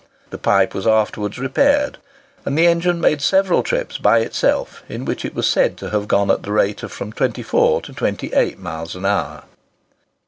The pipe was afterwards repaired, and the engine made several trips by itself, in which it was said to have gone at the rate of from 24 to 28 miles an hour.